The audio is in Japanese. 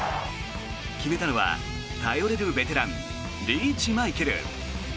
決めたのは頼れるベテランリーチマイケル。